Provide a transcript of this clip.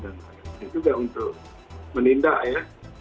juga untuk menindak ya